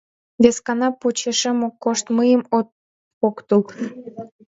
Вескана почешем от кошт, мыйым от поктыл...